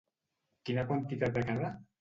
Quina quantitat de cada?